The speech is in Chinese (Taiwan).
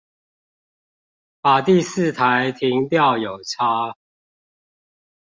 把第四台停掉有差